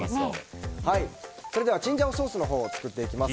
それではチンジャオソースのほうを作っていきます。